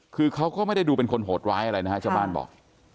คือเขาก็ไม่ได้ดูเป็นคนโหดร้ายอะไรนะฮะชาวบ้านบอก